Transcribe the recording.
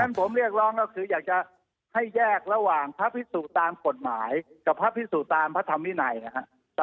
ผมเรียกร้องก็คืออยากจะให้แยกระหว่างพระพิสุตามกฎหมายกับพระพิสุตามพระธรรมวินัยนะครับ